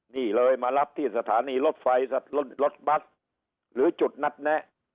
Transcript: นี่เลยมารับที่สถานีรถไฟรถบัสหรือจุดนัดแนะ